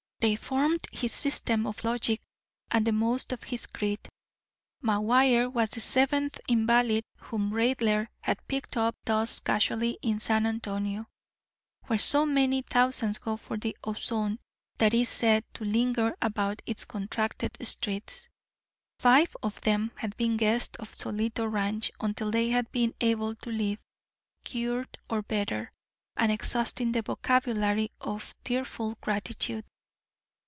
They formed his system of logic and the most of his creed. McGuire was the seventh invalid whom Raidler had picked up thus casually in San Antonio, where so many thousand go for the ozone that is said to linger about its contracted streets. Five of them had been guests of Solito Ranch until they had been able to leave, cured or better, and exhausting the vocabulary of tearful gratitude.